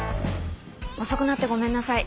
遅くなってごめんなさい。